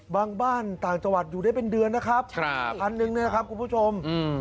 บ้านต่างจังหวัดอยู่ได้เป็นเดือนนะครับอันหนึ่งเนี่ยนะครับคุณผู้ชม